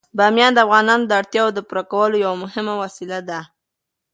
بامیان د افغانانو د اړتیاوو د پوره کولو یوه مهمه وسیله ده.